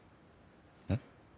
えっ？